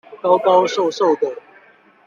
高高瘦瘦的